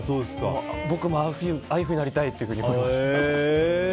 僕、ああいうふうになりたいと思いました。